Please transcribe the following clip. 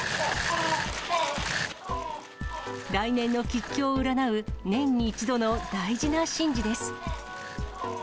来年の吉凶を占う年に１度の大事な神事です。